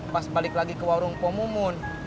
pas balik lagi ke warung pomumun